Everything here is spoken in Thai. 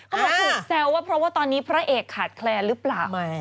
ถูกแซวว่าเพราะว่าตอนนี้พระเอกขาดแคลนหรือเปล่า